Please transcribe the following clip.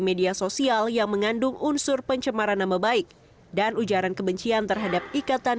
media sosial yang mengandung unsur pencemaran nama baik dan ujaran kebencian terhadap ikatan